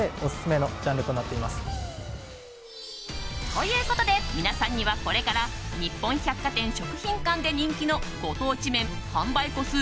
ということで皆さんにはこれから日本百貨店しょくひんかんで人気のご当地麺販売個数